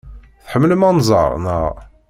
Tḥemmlem anẓar, naɣ?